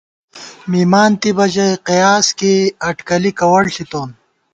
مِمانتِبہ ژَئی قیاس کېئی ، اٹکلی کَوَڑ ݪِتون